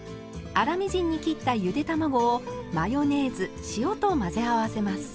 粗みじんに切ったゆで卵をマヨネーズ塩と混ぜ合わせます。